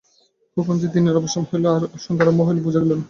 কখন যে দিনের অবসান হইল ও সন্ধ্যার আরম্ভ হইল বুঝা গেল না।